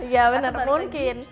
ya bener mungkin